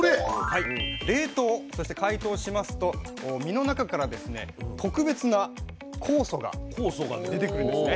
冷凍そして解凍しますと身の中からですね特別な酵素が出てくるんですね。